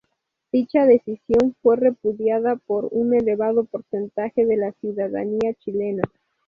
Dicha decisión fue repudiada por un elevado porcentaje de la ciudadanía chilena.